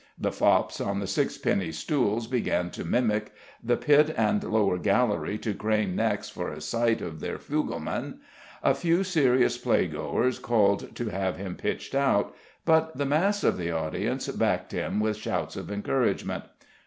The fops on the sixpenny stools began to mimic, the pit and lower gallery to crane necks for a sight of their fugleman; a few serious playgoers called to have him pitched out; but the mass of the audience backed him with shouts of encouragement.